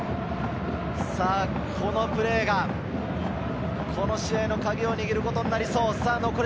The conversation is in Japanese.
このプレーが、この試合のカギを握ることになりそう。